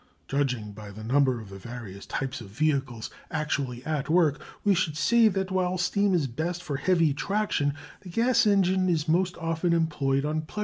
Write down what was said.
Judging by the number of the various types of vehicles actually at work we should say that while steam is best for heavy traction, the gas engine is most often employed on pleasure cars.